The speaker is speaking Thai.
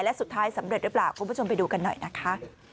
และสุดท้ายสำเร็จหรือเปล่าคุณผู้ชมไปดูกันหน่อยนะคะ